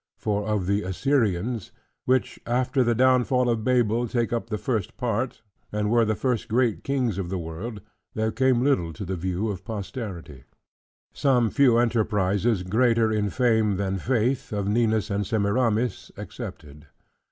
For of the Assyrians, which after the downfall of Babel take up the first part, and were the first great kings of the world, there came little to the view of posterity: some few enterprises, greater in fame than faith, of Ninus and Semiramis, excepted.